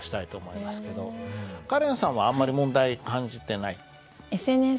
カレンさんはあんまり問題感じてない？